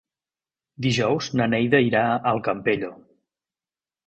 Dijous na Neida irà al Campello.